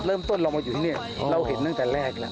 เริ่มต้นเรามาอยู่ที่นี่เราเห็นตั้งแต่แรกแล้ว